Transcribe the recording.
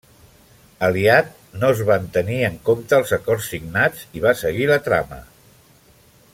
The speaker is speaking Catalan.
Aliat, no es van tenir en compte els acords signats i va seguir la trama.